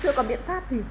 chưa có biện pháp gì